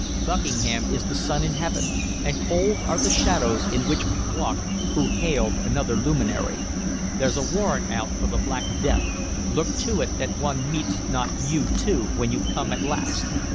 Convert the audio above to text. Buckingham is the sun in heaven, and cold are the shadows in which we walk who hailed another luminary. There's a warrant out for the Black Death; look to it that one meets not you too, when you come at last.